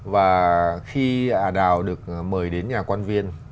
và khi ả đào được mời đến nhà quan viên